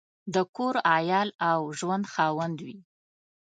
د کور، عیال او ژوند خاوند وي.